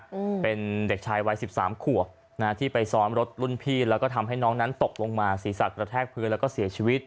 อืมเป็นเด็กชายวัยสิบสามขวบนะฮะที่ไปซ้อนรถรุ่นพี่แล้วก็ทำให้น้องนั้นตกลงมาศีรษะกระแทกพื้นแล้วก็เสียชีวิต